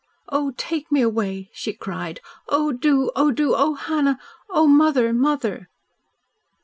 "Oh, take me away!" she cried. "Oh, do! Oh, do! Oh, Hannah! Oh, mother mother!"